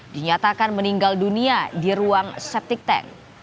dinyatakan meninggal dunia di ruang septic tank